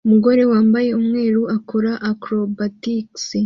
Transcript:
Umugore wambaye umweru akora acrobatics